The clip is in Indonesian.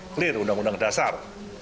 clear undang undang dasar